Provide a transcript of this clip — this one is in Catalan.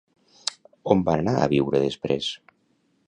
On van anar a viure després?